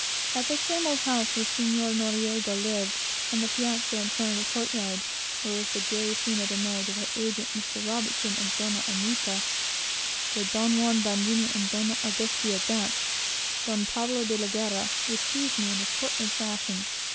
At the same old house, where Señor Noriego lived, on the piazza in front of the court yard, where was the gay scene of the marriage of our agent, Mr. Robinson, to Doña Anita, where Don Juan Bandini and Doña Augustia danced, Don Pablo de la Guerra received me in a courtly fashion.